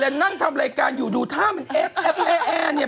นั่งทำรายการอยู่ดูท่ามันแอปเนี่ย